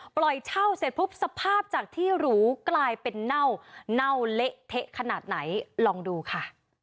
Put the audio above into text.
ปล่อยเช่าเสร็จปุ๊บสภาพจากที่หรูกลายเป็นเน่าเน่าเละเทะขนาดไหนลองดูค่ะ